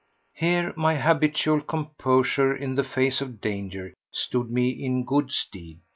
Here my habitual composure in the face of danger stood me in good stead.